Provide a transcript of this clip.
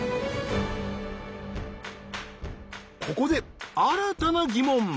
ここで新たな疑問。